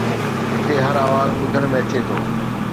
هتي هر آواز ٻڌڻ ۾ اچي ٿو